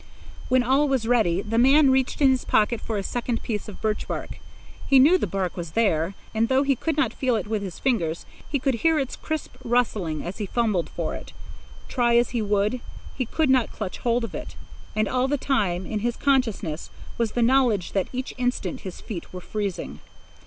When all was ready, the man reached in his pocket for a second piece of birch bark. He knew the bark was there, and, though he could not feel it with his fingers, he could hear its crisp rustling as he fumbled for it. Try as he would, he could not clutch hold of it. And all the time, in his consciousness, was the knowledge that each instant his feet were freezing.